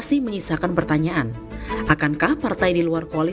oh terus ya perlu ada kontrol